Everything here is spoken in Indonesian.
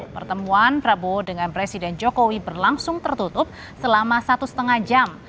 pertemuan prabowo dengan presiden jokowi berlangsung tertutup selama satu lima jam